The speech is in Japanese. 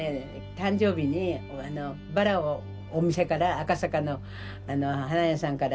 誕生日にバラをお店から赤坂の花屋さんから届けてきたのねお昼。